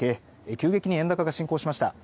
急激に円高が進行しました。